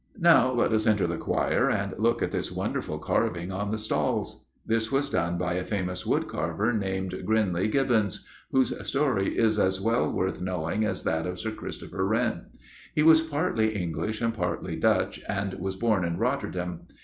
Now let us enter the choir, and look at this wonderful carving on the stalls. This was done by a famous wood carver, named Grinling Gibbons, whose story is as well worth knowing as that of Sir Christopher Wren. He was partly English and partly Dutch, and was born in Rotterdam.